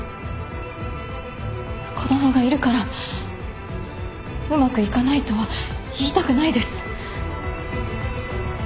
子供がいるからうまくいかないとは言いたくないです。